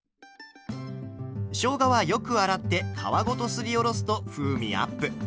しょうがはよく洗って皮ごとすりおろすと風味アップ。